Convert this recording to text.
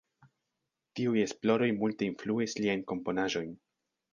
Tiuj esploroj multe influis liajn komponaĵojn.